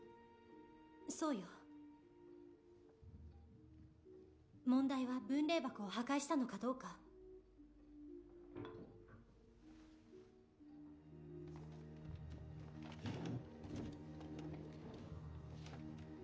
そうよ問題は分霊箱を破壊したのかどうかうん！